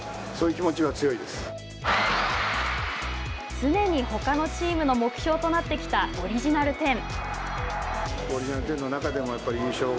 常にほかのチームの目標となってきたオリジナル１０。